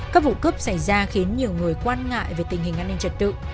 các vụ cướp xảy ra khiến nhiều người quan ngại về tình hình an ninh trật tự